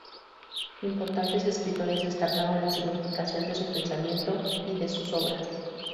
Importantes escritores destacaron la significación de su pensamiento y de sus obras.